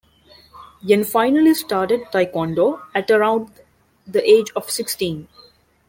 Yen finally started taekwondo at around the age of sixteen.